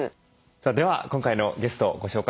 さあでは今回のゲストをご紹介しましょう。